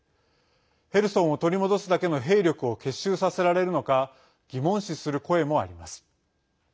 ヘルソンを取り戻すだけの兵力を結集させられるのか疑問視する声もあります。